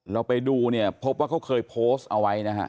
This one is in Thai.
เราไปดูเนี่ยพบว่าเขาเคยโพสต์เอาไว้นะฮะ